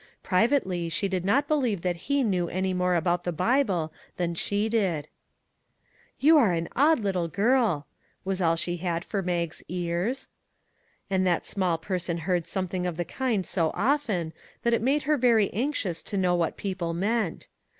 Privately she did not believe that he knew any more about the Bible than she did. 2IO WHITE DRESSES " You are an odd little girl," was all she had for Mag's ears; and that small person heard something of the kind so often that it made her very anxious to know what people meant.